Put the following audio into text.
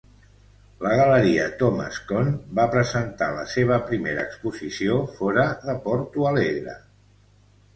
La galeria Thomas Cohn va presentar la seva primera exposició fora de Porto Alegre.